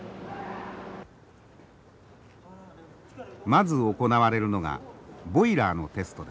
まず行われるのがボイラーのテストです。